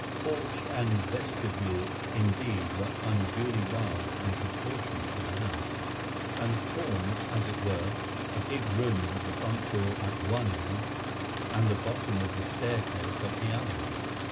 Porch and vestibule, indeed, were unduly large in proportion to the house, and formed, as it were, a big room with the front door at one end, and the bottom of the staircase at the other.